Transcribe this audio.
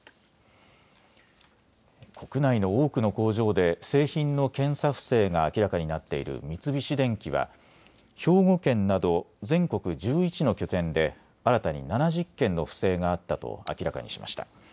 国内の多くの工場で製品の検査不正が明らかになっている三菱電機は、兵庫県など全国１１の拠点で新たに７０件の不正があったと明らかにしました。